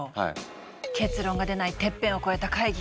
結論が出ないテッペンを越えた会議。